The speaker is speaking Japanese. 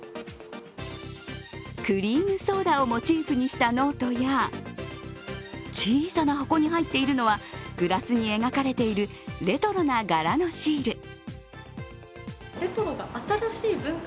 クリームソーダをモチーフにしたノートや小さな箱に入っているのはグラスに描かれているレトロな柄のシール。